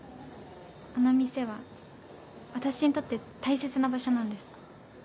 あの店は私にとって大切な場所なんです。